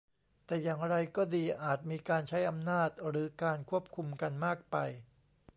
แต่อย่างไรก็ดีอาจมีการใช้อำนาจหรือการควบคุมกันมากไป